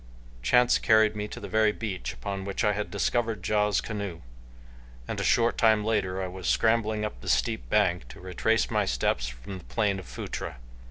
Chance carried me to the very beach upon which I had discovered Ja's canoe, and a short time later I was scrambling up the steep bank to retrace my steps from the plain of Phutra.